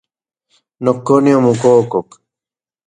Nokone omokokok.